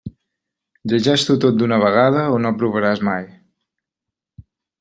Llegeix-t'ho tot d'una vegada o no aprovaràs mai!